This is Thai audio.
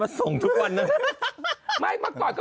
นางลักเงินเนาะ